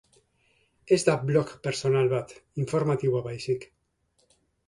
Ez da blog pertsonal bat, informatiboa baizik.